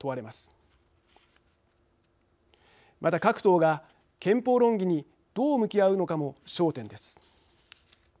また各党が憲法論議にどう向き合うのかも焦点です。